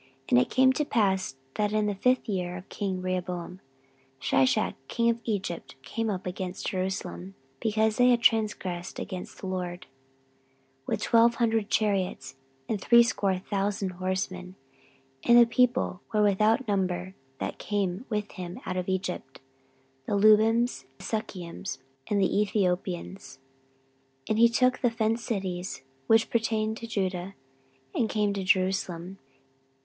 14:012:002 And it came to pass, that in the fifth year of king Rehoboam Shishak king of Egypt came up against Jerusalem, because they had transgressed against the LORD, 14:012:003 With twelve hundred chariots, and threescore thousand horsemen: and the people were without number that came with him out of Egypt; the Lubims, the Sukkiims, and the Ethiopians. 14:012:004 And he took the fenced cities which pertained to Judah, and came to Jerusalem.